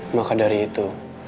maka dari itu